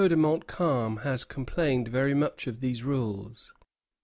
de Montcalm has complained very much of these rules."